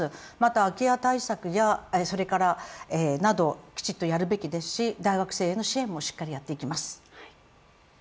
空き家対策などきちっとやるべきですし、大学生の支援もしっかりやってきます。